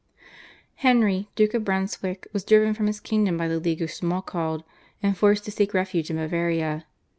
Henry, Duke of Brunswick, was driven from his kingdom by the League of Schmalkald and forced to seek refuge in Bavaria.